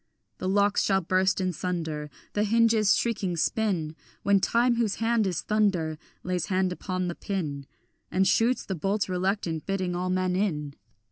The locks shall burst in sunder, The hinges shrieking spin, When time, whose hand is thunder, Lays hand upon the pin, And shoots the bolts reluctant, bidding all men in.